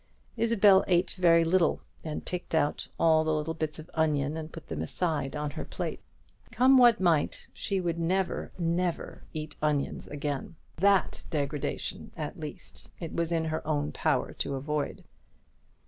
Isabel ate very little, and picked out all the bits of onion and put them aside on her plate. Come what might, she would never, never eat onions again. That degradation, at least, it was in her own power to avoid.